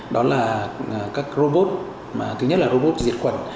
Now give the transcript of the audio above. đó là các robot thứ nhất là robot diệt khuẩn